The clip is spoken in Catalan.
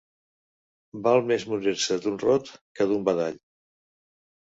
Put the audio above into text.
Val més morir-se d'un rot que d'un badall.